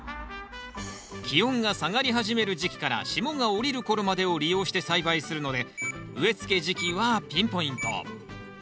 気温が下がり始める時期から霜が降りる頃までを利用して栽培するので植えつけ時期はピンポイント。